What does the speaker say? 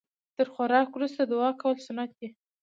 تر خوراک وروسته دعا کول سنت ده